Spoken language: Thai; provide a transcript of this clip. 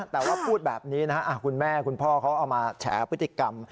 แต่ว่าพูดแบบนี้นะคุณแม่คุณพ่อเขาเอามาแฉพฤติกรรม